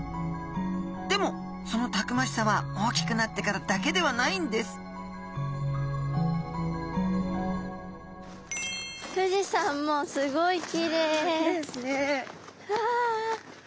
でもそのたくましさは大きくなってからだけではないんです富士山もすごいきれい。わきれいですね。わ！